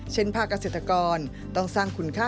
ภาคเกษตรกรต้องสร้างคุณค่า